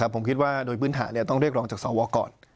ผมคิดว่าโดยพื้นฐานต้องเรียกรองจากสวก่อน